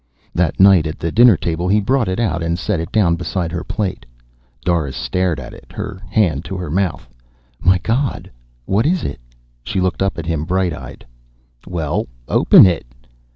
That night at the dinner table he brought it out and set it down beside her plate. Doris stared at it, her hand to her mouth. "My God, what is it?" She looked up at him, bright eyed. "Well, open it."